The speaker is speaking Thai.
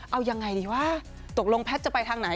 เอายังไงดีวะตกลงแพทย์จะไปทางไหน